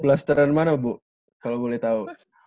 blasteran mana bu kalau boleh tau